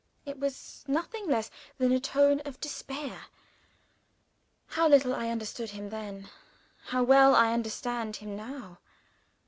It was nothing less than a tone of despair. How little I understood him then! how well I understand him now!